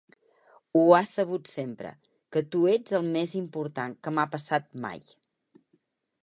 Ho ha sabut sempre, que tu ets el més important que m'ha passat mai.